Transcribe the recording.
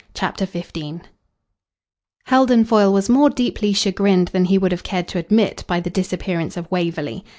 CHAPTER XV Heldon Foyle was more deeply chagrined than he would have cared to admit by the disappearance of Waverley.